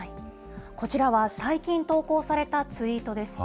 こちらは最近投稿されたツイートです。